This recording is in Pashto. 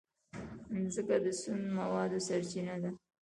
مځکه د سون موادو سرچینه ده.